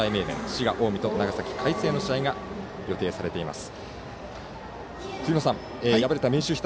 滋賀、近江と長崎、海星の試合が予定されています。